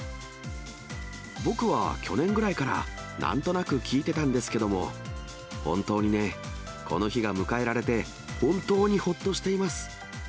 僕は去年ぐらいからなんとなく聞いてたんですけども、本当にね、この日が迎えられて、本当にほっとしています。